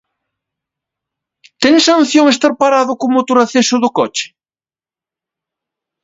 Ten sanción estar parado co motor aceso do coche?